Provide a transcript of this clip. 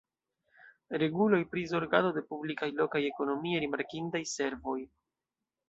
Reguloj pri zorgado de publikaj lokaj ekonomie rimarkindaj servoj.